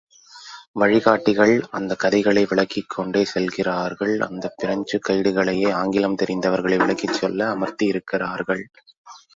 வழிகாட்டிகள் அந்தக் கதைகளை விளக்கிக்கொண்டே செல்கிறார்கள், அந்தப் பிரெஞ்சு கைடுகளையே ஆங்கிலம் தெரிந்தவர்களை விளக்கிச் சொல்ல அமர்த்தி இருக்கிறார்கள்.